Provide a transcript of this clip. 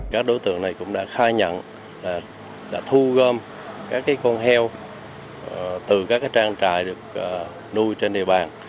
các đối tượng này cũng đã khai nhận đã thu gom các con heo từ các trang trại được nuôi trên địa bàn